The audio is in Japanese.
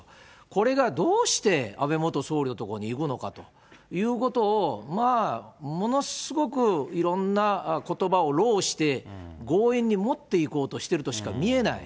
これがどうして、安倍元総理の所に行くのかということを、ものすごくいろんなことばを弄して、強引に持っていこうとしているとしか見えない。